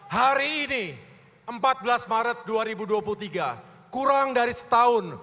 hari ini empat belas maret dua ribu dua puluh tiga kurang dari setahun